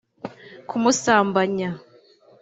kumusambanya